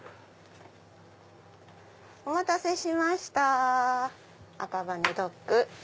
お待たせしました赤羽ドッグ。